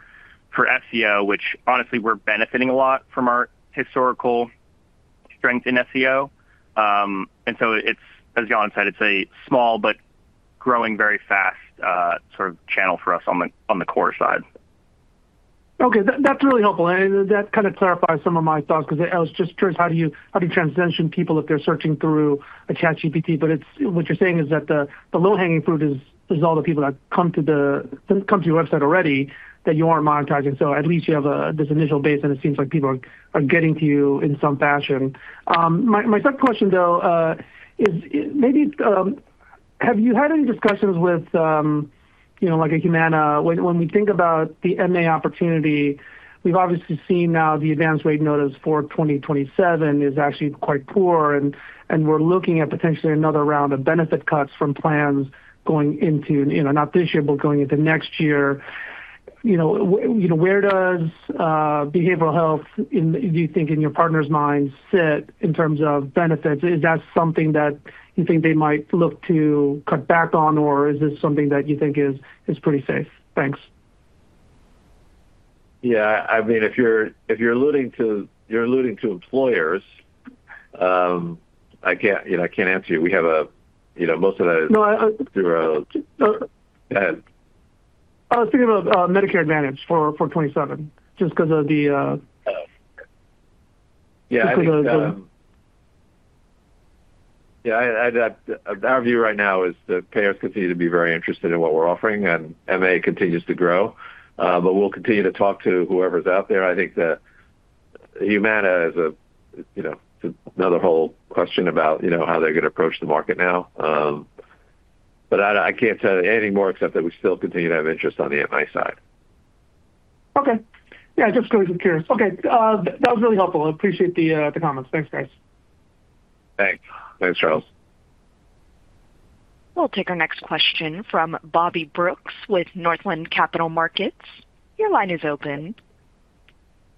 Speaker 3: for SEO, which honestly, we're benefiting a lot from our historical strength in SEO. And so it's, as Jon said, it's a small but growing very fast, sort of channel for us on the, on the core side.
Speaker 7: Okay, that's really helpful, and that kind of clarifies some of my thoughts because I was just curious, how do you, how do you transition people if they're searching through a ChatGPT? But it's, what you're saying is that the, the low-hanging fruit is, is all the people that come to the, come to your website already that you aren't monetizing. So at least you have a, this initial base, and it seems like people are, are getting to you in some fashion. My, my third question, though, is, maybe, have you had any discussions with, you know, like a Humana? When we think about the MA opportunity, we've obviously seen now the advanced rate notice for 2027 is actually quite poor, and we're looking at potentially another round of benefit cuts from plans going into, you know, not this year, but going into next year. You know, where does behavioral health, do you think, in your partner's minds sit in terms of benefits? Is that something that you think they might look to cut back on, or is this something that you think is pretty safe? Thanks.
Speaker 2: Yeah. I mean, if you're alluding to employers, I can't, you know, I can't answer you. We have a, you know, most of the-
Speaker 7: No, I-
Speaker 2: You're... Go ahead.
Speaker 7: I was thinking of Medicare Advantage for 2027, just because of the
Speaker 2: Yeah, I think, Yeah, our view right now is that payers continue to be very interested in what we're offering, and MA continues to grow. But we'll continue to talk to whoever's out there. I think that Humana is a, you know, another whole question about, you know, how they're going to approach the market now. But I can't tell you any more except that we still continue to have interest on the MA side.
Speaker 7: Okay. Yeah, just curious. Okay, that was really helpful. I appreciate the, the comments. Thanks, guys.
Speaker 2: Thanks. Thanks, Charles.
Speaker 1: We'll take our next question from Bobby Brooks with Northland Capital Markets. Your line is open.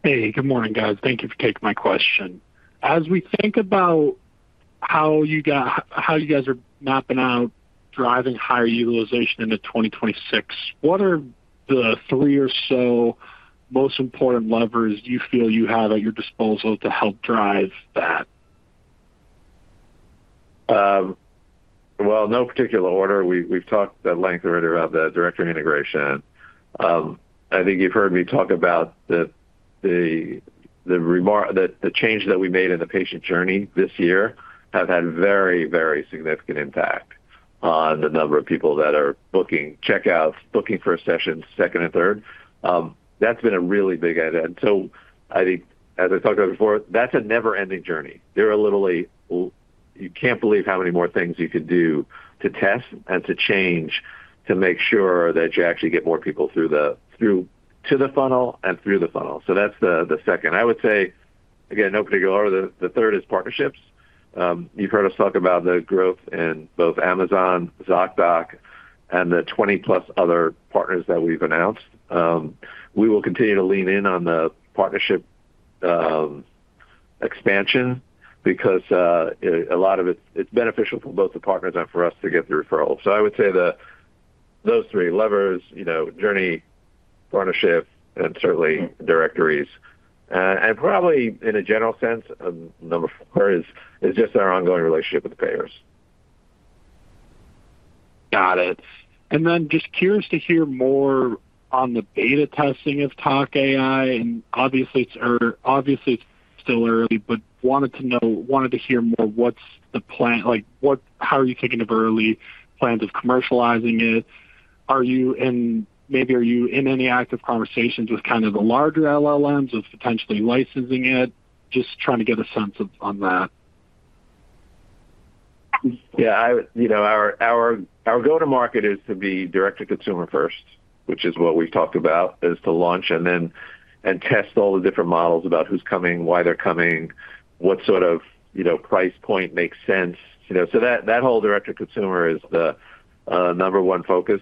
Speaker 8: Hey, good morning, guys. Thank you for taking my question. As we think about how you guys are mapping out driving higher utilization into 2026, what are the three or so most important levers do you feel you have at your disposal to help drive that?
Speaker 2: Well, no particular order. We've talked at length already about the directory integration. I think you've heard me talk about the change that we made in the patient journey this year have had very, very significant impact on the number of people that are booking checkouts, booking for a session second and third. That's been a really big add. And so I think as I talked about before, that's a never-ending journey. There are literally. You can't believe how many more things you could do to test and to change, to make sure that you actually get more people through to the funnel and through the funnel. So that's the second. I would say, again, no particular order, the third is partnerships. You've heard us talk about the growth in both Amazon, Zocdoc, and the 20+ other partners that we've announced. We will continue to lean in on the partnership expansion because a lot of it's beneficial for both the partners and for us to get the referrals. So I would say that those three levers, you know, journey, partnership, and certainly directories, and probably in a general sense, number four is just our ongoing relationship with the payers.
Speaker 8: Got it. And then just curious to hear more on the beta testing of Talk AI. And obviously, it's early. Obviously, it's still early, but wanted to know—wanted to hear more, what's the plan, like, what... How are you thinking of early plans of commercializing it? Are you in, maybe are you in any active conversations with kind of the larger LLMs of potentially licensing it? Just trying to get a sense of on that.
Speaker 2: Yeah, you know, our go-to-market is to be direct-to-consumer first, which is what we've talked about, is to launch and then test all the different models about who's coming, why they're coming, what sort of, you know, price point makes sense, you know. So that whole direct-to-consumer is the number one focus.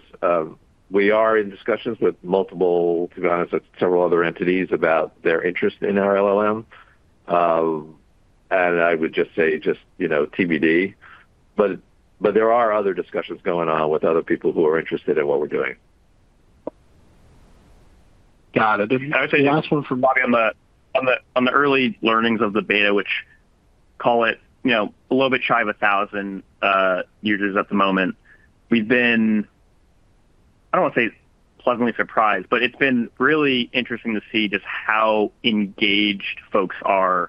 Speaker 2: We are in discussions with multiple, to be honest, several other entities about their interest in our LLM. And I would just say just, you know, TBD. But there are other discussions going on with other people who are interested in what we're doing.
Speaker 8: Got it.
Speaker 3: I would say last one from Bobby on the early learnings of the beta, which, call it, you know, a little bit shy of 1,000 users at the moment. We've been, I don't want to say pleasantly surprised, but it's been really interesting to see just how engaged folks are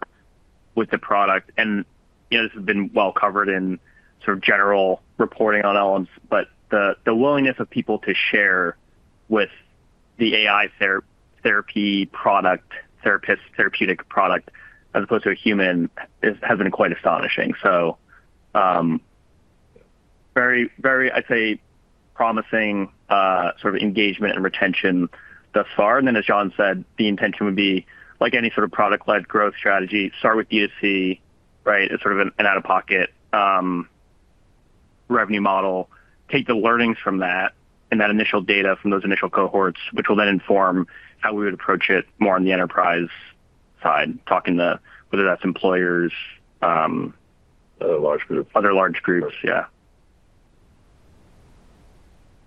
Speaker 3: with the product. And, you know, this has been well covered in sort of general reporting on LLMs, but the willingness of people to share with the AI therapeutic product, as opposed to a human, has been quite astonishing. So, very, very, I'd say, promising sort of engagement and retention thus far. And then, as Jon said, the intention would be like any sort of product-led growth strategy, start with DTC, right? It's sort of an out-of-pocket revenue model. Take the learnings from that and that initial data from those initial cohorts, which will then inform how we would approach it more on the enterprise side, talking to whether that's employers,
Speaker 2: Other large groups.
Speaker 3: Other large groups, yeah.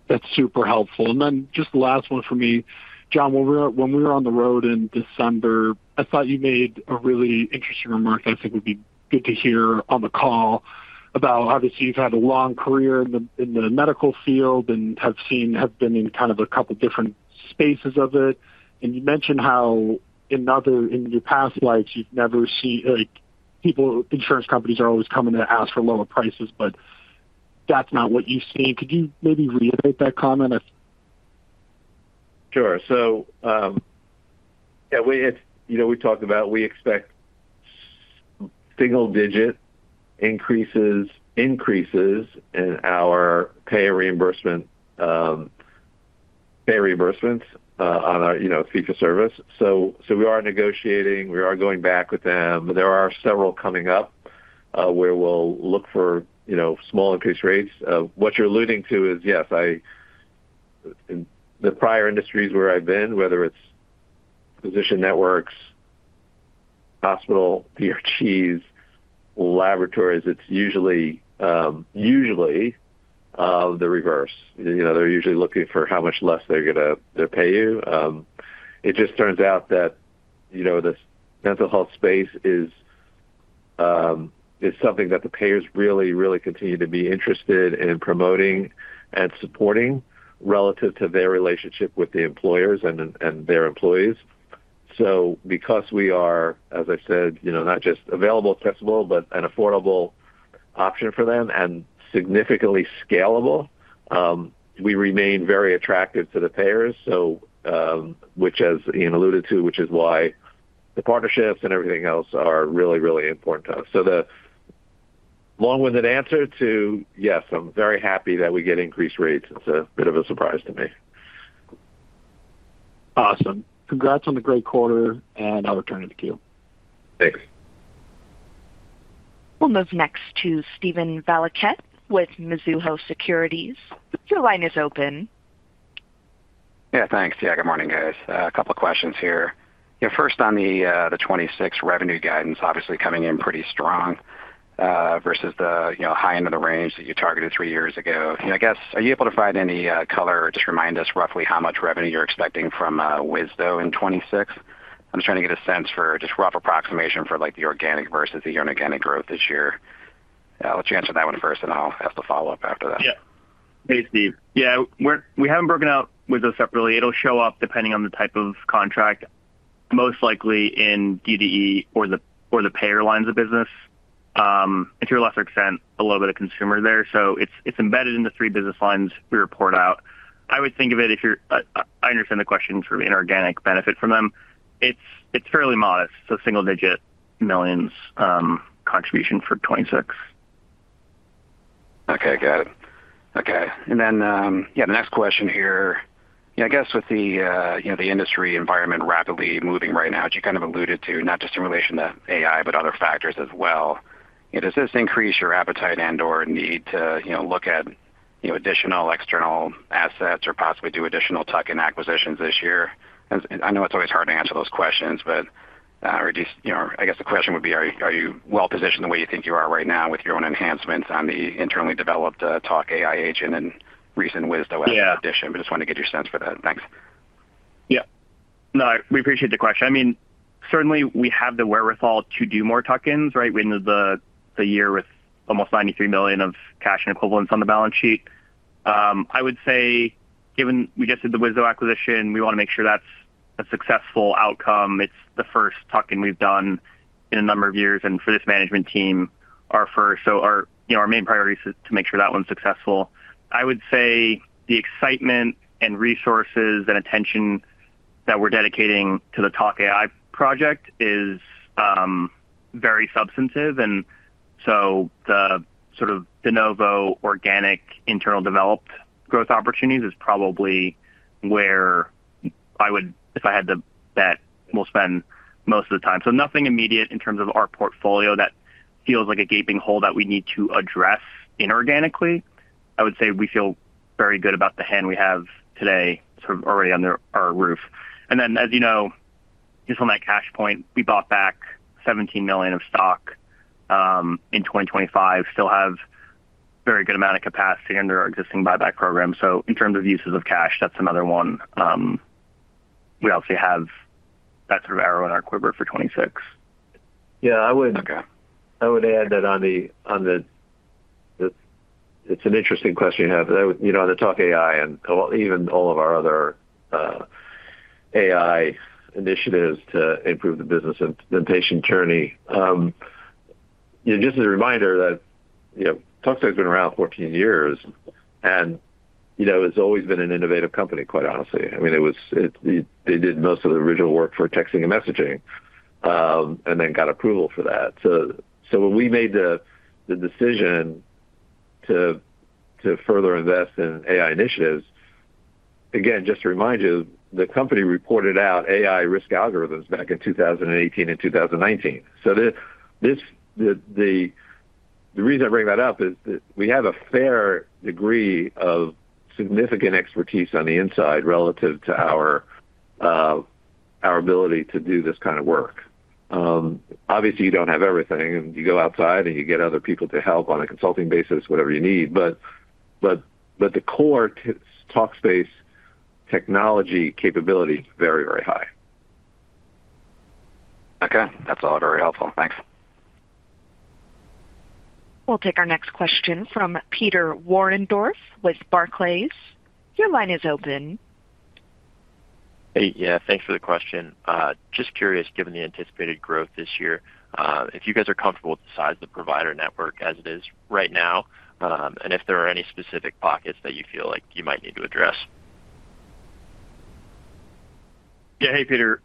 Speaker 8: That's super helpful. And then just the last one for me, Jon, when we were on the road in December, I thought you made a really interesting remark that I think would be good to hear on the call about obviously, you've had a long career in the medical field and have seen-have been in kind of a couple different spaces of it. And you mentioned how in other, in your past lives, you've never seen, like, people, insurance companies are always coming to ask for lower prices, but that's not what you've seen. Could you maybe reiterate that comment?
Speaker 2: Sure. So, yeah, we had you know, we talked about we expect single-digit increases in our payer reimbursement, payer reimbursements on our fee-for-service. So we are negotiating, we are going back with them. There are several coming up where we'll look for you know, small increased rates. What you're alluding to is, yes, I in the prior industries where I've been, whether it's physician networks, hospital, PRGs, laboratories, it's usually the reverse. You know, they're usually looking for how much less they're gonna pay you. It just turns out that you know, this mental health space is something that the payers really really continue to be interested in promoting and supporting relative to their relationship with the employers and their employees. So because we are, as I said, you know, not just available, accessible, but an affordable option for them and significantly scalable, we remain very attractive to the payers. So, which as Ian alluded to, which is why the partnerships and everything else are really, really important to us. So the long-winded answer to, yes, I'm very happy that we get increased rates. It's a bit of a surprise to me.
Speaker 8: Awesome. Congrats on the great quarter, and I'll return it to you.
Speaker 2: Thanks.
Speaker 1: We'll move next to Steven Valiquette with Mizuho Securities. Your line is open.
Speaker 9: Yeah, thanks. Yeah, good morning, guys. A couple of questions here. Yeah, first, on the 2026 revenue guidance, obviously coming in pretty strong versus the, you know, high end of the range that you targeted three years ago. I guess, are you able to provide any color or just remind us roughly how much revenue you're expecting from Wisdo in 2026? I'm just trying to get a sense for just rough approximation for, like, the organic versus the inorganic growth this year. I'll let you answer that one first, and I'll have to follow up after that....
Speaker 3: Hey, Steve. Yeah, we haven't broken out those separately. It'll show up depending on the type of contract, most likely in DTE or the payer lines of business. And to a lesser extent, a little bit of consumer there. So it's embedded in the three business lines we report out. I would think of it if you're. I understand the question from an inorganic benefit from them. It's fairly modest, so $single-digit millions contribution for 2026.
Speaker 9: Okay, got it. Okay, and then, yeah, the next question here. Yeah, I guess with the, you know, the industry environment rapidly moving right now, you kind of alluded to not just in relation to AI, but other factors as well. Does this increase your appetite and/or need to, you know, look at, you know, additional external assets or possibly do additional tuck-in acquisitions this year? And I know it's always hard to answer those questions, but, or just, you know, I guess the question would be, are you, are you well positioned the way you think you are right now with your own enhancements on the internally developed, Talk AI agent and recent Wisdo acquisition?
Speaker 3: Yeah.
Speaker 9: I just wanted to get your sense for that. Thanks.
Speaker 3: Yeah. No, we appreciate the question. I mean, certainly we have the wherewithal to do more tuck-ins, right? We ended the year with almost $93 million of cash and equivalents on the balance sheet. I would say, given we just did the Wisdo acquisition, we want to make sure that's a successful outcome. It's the first tuck-in we've done in a number of years, and for this management team, our first. So our, you know, our main priority is to make sure that one's successful. I would say the excitement and resources and attention that we're dedicating to the Talk AI project is very substantive. And so the sort of de novo, organic, internal developed growth opportunities is probably where I would, if I had to bet, we'll spend most of the time. So nothing immediate in terms of our portfolio that feels like a gaping hole that we need to address inorganically. I would say we feel very good about the hand we have today, sort of already under our roof. And then, as you know, just on that cash point, we bought back 17 million of stock in 2025. Still have a very good amount of capacity under our existing buyback program. So in terms of uses of cash, that's another one. We obviously have that sort of arrow in our quiver for 2026.
Speaker 2: Yeah, I would-
Speaker 9: Okay.
Speaker 2: I would add that on the... It's an interesting question you have. You know, on the Talk AI and even all of our other AI initiatives to improve the business implementation journey. Just as a reminder that, you know, Talkspace has been around 14 years, and, you know, it's always been an innovative company, quite honestly. I mean, it was, it, they did most of the original work for texting and messaging, and then got approval for that. So when we made the decision to further invest in AI initiatives, again, just to remind you, the company reported out AI risk algorithms back in 2018 and 2019. So the reason I bring that up is that we have a fair degree of significant expertise on the inside relative to our ability to do this kind of work. Obviously, you don't have everything, and you go outside, and you get other people to help on a consulting basis, whatever you need. But the core to Talkspace technology capability is very, very high.
Speaker 9: Okay. That's all very helpful. Thanks.
Speaker 1: We'll take our next question from Peter Warendorf with Barclays. Your line is open.
Speaker 10: Hey, yeah, thanks for the question. Just curious, given the anticipated growth this year, if you guys are comfortable with the size of the provider network as it is right now, and if there are any specific pockets that you feel like you might need to address?
Speaker 3: Yeah. Hey, Peter.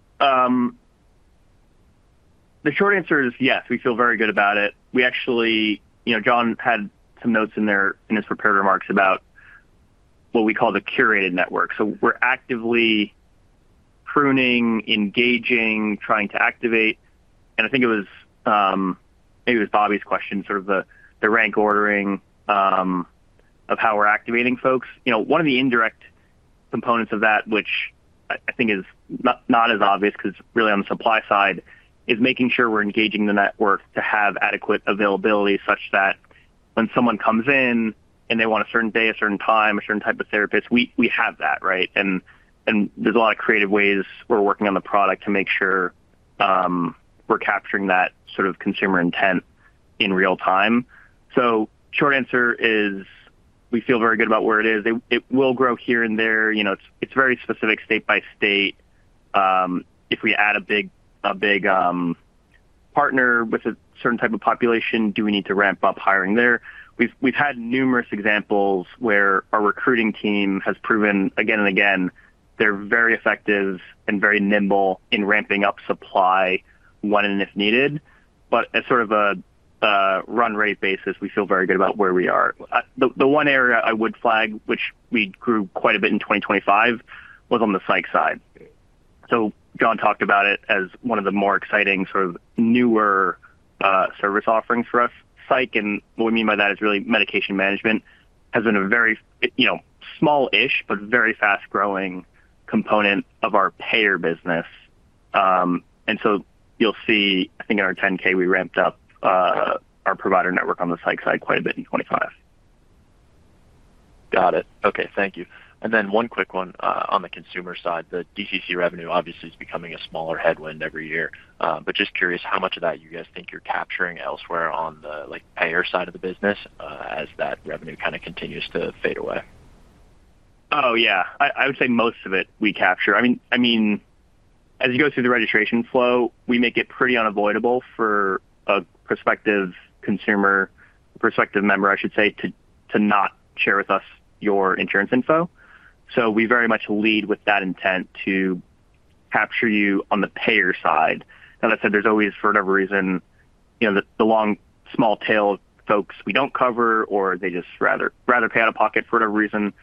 Speaker 3: The short answer is yes, we feel very good about it. We actually, you know, Jon had some notes in there in his prepared remarks about what we call the curated network. So we're actively pruning, engaging, trying to activate, and I think it was, maybe it was Bobby's question, sort of the, the rank ordering of how we're activating folks. You know, one of the indirect components of that, which I, I think is not, not as obvious because really on the supply side, is making sure we're engaging the network to have adequate availability such that when someone comes in and they want a certain day, a certain time, a certain type of therapist, we, we have that, right? And there's a lot of creative ways we're working on the product to make sure we're capturing that sort of consumer intent in real time. So short answer is we feel very good about where it is. It will grow here and there. You know, it's very specific state by state. If we add a big partner with a certain type of population, do we need to ramp up hiring there? We've had numerous examples where our recruiting team has proven again and again, they're very effective and very nimble in ramping up supply when and if needed. But as sort of a run rate basis, we feel very good about where we are. The one area I would flag, which we grew quite a bit in 2025, was on the psych side. So Jon talked about it as one of the more exciting, sort of newer, service offerings for us. Psych, and what we mean by that is really medication management, has been a very, you know, smallish but very fast-growing component of our payer business. And so you'll see, I think in our 10-K, we ramped up our provider network on the psych side quite a bit in 2025.
Speaker 10: Got it. Okay, thank you. And then one quick one, on the consumer side. The DCC revenue obviously is becoming a smaller headwind every year. But just curious, how much of that you guys think you're capturing elsewhere on the, like, payer side of the business, as that revenue kind of continues to fade away?
Speaker 3: Oh, yeah. I would say most of it we capture. I mean, as you go through the registration flow, we make it pretty unavoidable for a prospective consumer, prospective member, I should say, to not share with us your insurance info. So we very much lead with that intent to capture you on the payer side. As I said, there's always, for whatever reason, you know, the long, small tail folks we don't cover, or they just rather pay out of pocket for whatever reason,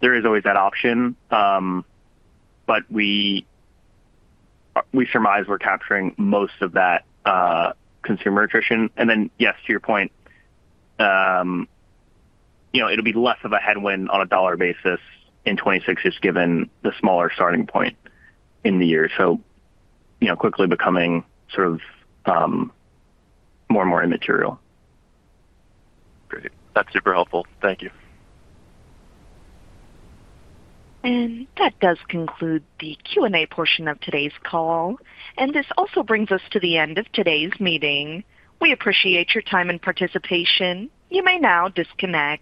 Speaker 3: there is always that option. But we surmise we're capturing most of that consumer attrition. And then, yes, to your point, you know, it'll be less of a headwind on a dollar basis in 2026, just given the smaller starting point in the year. You know, quickly becoming sort of more and more immaterial.
Speaker 10: Great. That's super helpful. Thank you.
Speaker 1: That does conclude the Q&A portion of today's call, and this also brings us to the end of today's meeting. We appreciate your time and participation. You may now disconnect.